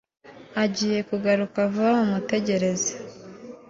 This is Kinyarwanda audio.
Agiye kugaruka vuba mumutegereze